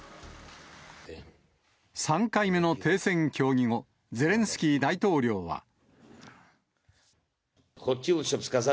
３回目の停戦協議後、ゼレンスキー大統領は。